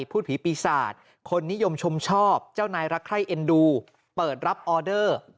พูดผีปีศาจคนนิยมชมชอบเจ้านายรักไข้เอ็นดูเปิดรับออเดอร์